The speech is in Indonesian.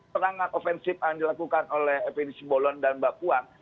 serangan ofensif yang dilakukan oleh fnd simbolon dan mbak puan